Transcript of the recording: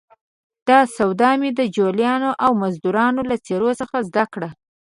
دا سواد مې د جوالیانو او مزدروانو له څېرو څخه زده کړ.